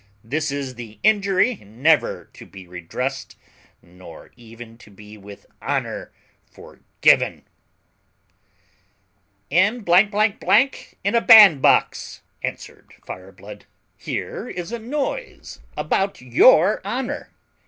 This is the injury never to be redressed, nor even to be with honour forgiven." "M in a bandbox!" answered Fireblood; "here is a noise about your honour!